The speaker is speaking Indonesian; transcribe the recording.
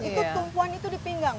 itu tumpuan itu dipinggang